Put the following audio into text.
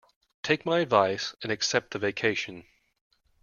Take my advice and accept the vacation.